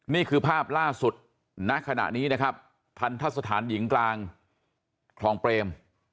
นี่คือภาพล่าสุดณขณะนี้นะครับทันทะสถานหญิงกลางคลองเปรม